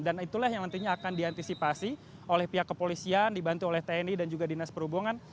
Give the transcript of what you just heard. dan itulah yang nantinya akan diantisipasi oleh pihak kepolisian dibantu oleh tni dan juga dinas perhubungan